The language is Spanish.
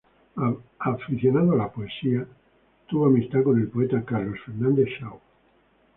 Aficionado a la poesía, tuvo amistad con el poeta Carlos Fernández Shaw.